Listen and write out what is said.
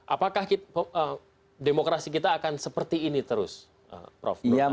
apakah demokrasi kita akan seperti ini terus prof